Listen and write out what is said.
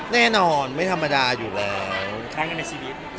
แน่นอนไม่ธรรมดาอยู่แล้วครั้งหนึ่งในชีวิต